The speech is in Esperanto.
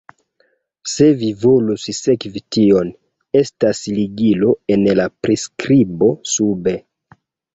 Se vi volus sekvi tion, estas ligilo en la priskribo sube.